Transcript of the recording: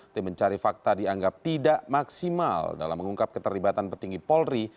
tim mencari fakta dianggap tidak maksimal dalam mengungkap keterlibatan petinggi polri